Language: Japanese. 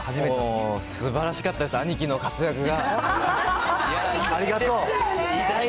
玉ちゃん、すばらしかったです、兄貴の活躍が。